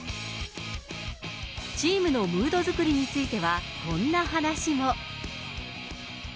チームのムード作りについては、こんな話も。